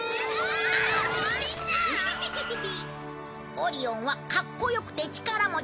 「オリオンはカッコよくて力持ち」